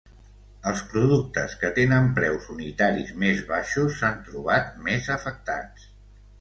Els productes que tenen preus unitaris més baixos s’han trobat més afectats.